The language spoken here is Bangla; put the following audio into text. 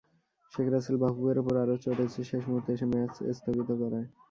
শেখ রাসেল বাফুফের ওপর আরও চটেছে শেষ মুহূর্তে এসে ম্যাচ স্থগিত করায়।